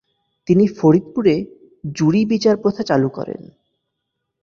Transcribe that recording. তিনি ফরিদপুরে ‘জুরি’ বিচার প্রথা চালু করেন।